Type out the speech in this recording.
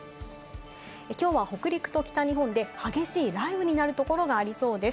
きょうは北陸と北日本で激しい雷雨になるところがありそうです。